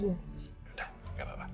udah gak apa apa